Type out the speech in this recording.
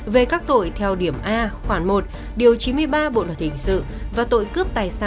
về các tội theo dõi của các tội